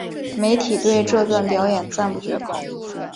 媒体对这段表演赞不绝口。